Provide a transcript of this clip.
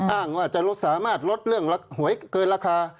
อ้างว่าจะสามารถลดเรื่องหวยเกินราคา